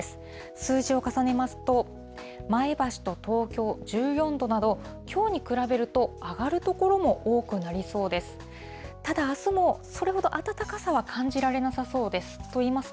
数字を重ねますと、前橋と東京１４度など、きょうに比べると、上がる所も多くなりそうです。